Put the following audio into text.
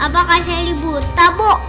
apakah selly buta bu